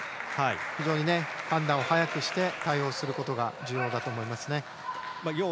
非常に判断を早くして対応することが重要だと思いますね。